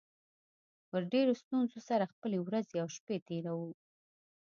په ډېرو ستونزو سره خپلې ورځې او شپې تېروو